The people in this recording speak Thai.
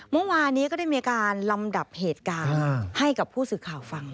เมื่อวานี้ก็ได้มีการลำดับเหตุการณ์ให้กับผู้สื่อข่าวฟัง